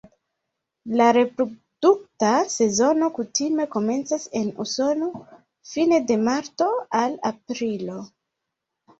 La reprodukta sezono kutime komencas en Usono fine de marto al aprilo.